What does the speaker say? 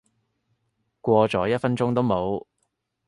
過咗一分鐘都冇